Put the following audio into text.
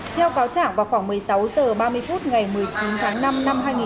theo cáo trảng vào khoảng một mươi sáu h ba mươi phút ngày một mươi chín tháng năm năm hai nghìn hai mươi hai